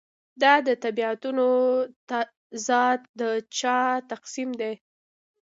دا د طبیعتونو تضاد د چا تقسیم دی.